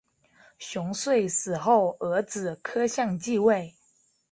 熊遂死后儿子柯相继位。